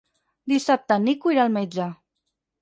Dissabte en Nico irà al metge.